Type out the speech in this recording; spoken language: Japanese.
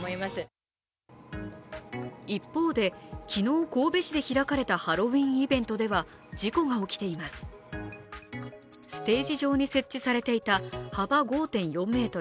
豊島区の高際区長は一方で昨日、神戸市で開かれたハロウィーンイベントでは事故が起きていますステージ上に設置されていた幅５．４ｍ